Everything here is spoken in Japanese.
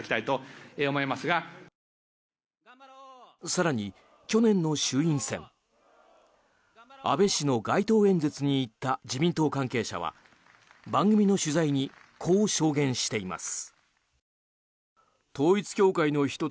更に、去年の衆院選安倍氏の街頭演説に行った自民党関係者は番組の取材にこう証言しています。